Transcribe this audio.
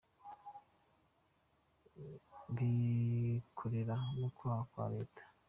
Bikorera mu kwaha kwa Leta ?